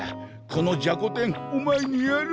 このじゃこ天お前にやる。